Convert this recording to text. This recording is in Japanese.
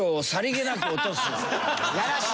やらしい！